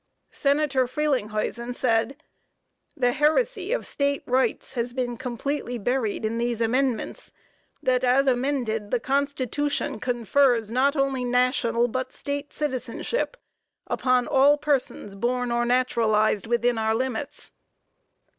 Senator Frelinghuysen said: "The heresy of State rights has been completely buried in these amendments, that as amended, the Constitution confers not only national but State citizenship upon all persons born or naturalized within our limits."